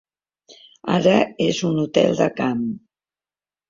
Ara és una hotel de camp.